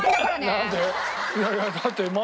いやいやだって窓。